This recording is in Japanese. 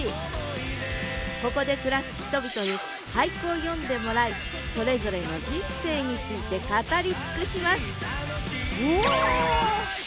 ここで暮らす人々に俳句を詠んでもらいそれぞれの人生について語り尽くしますうわ。